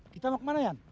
kita mau kemana yan